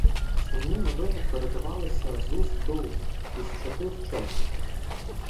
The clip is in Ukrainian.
Сумні новини передавалися з уст до уст, із чоти в чоту.